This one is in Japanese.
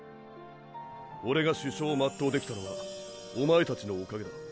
オレが主将を全うできたのはおまえたちのおかげだ。